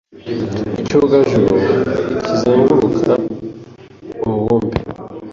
Icyogajuru kizenguruka umubumbe.